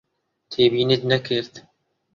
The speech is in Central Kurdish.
تێبینیت نەکرد؟